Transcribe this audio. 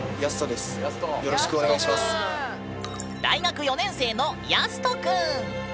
大学４年生のやすと君！